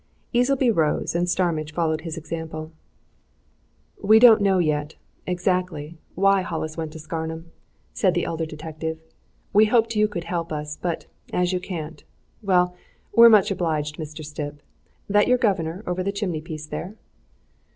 Easleby rose, and Starmidge followed his example. "We don't know yet exactly why Hollis went to Scarnham," said the elder detective. "We hoped you could help us. But, as you can't well, we're much obliged, Mr. Stipp. That your governor over the chimney piece there?"